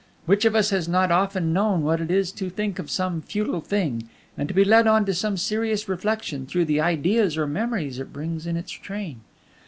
"Which of us has not often known what it is to think of some futile thing and be led on to some serious reflection through the ideas or memories it brings in its train?